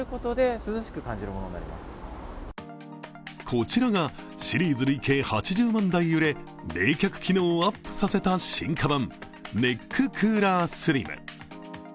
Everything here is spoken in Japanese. こちらがシリーズ累計８０万台売れ、冷却機能をアップさせた進化版、ネッククーラースリム。